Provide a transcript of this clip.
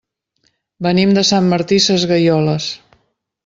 Venim de Sant Martí Sesgueioles.